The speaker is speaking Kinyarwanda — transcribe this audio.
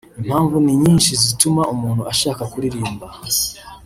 Impamvu ni nyinshi zituma umuntu ashaka kuririmba